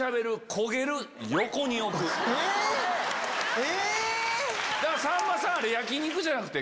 え！